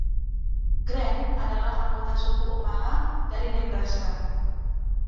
Grant adalah anggota suku Omaha dari Nebraska.